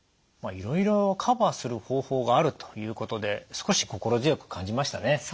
いろいろカバーする方法があるということで少し心強く感じましたね。